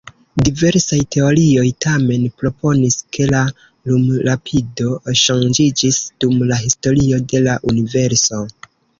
Diversaj teorioj tamen proponis, ke la lumrapido ŝanĝiĝis dum la historio de la universo.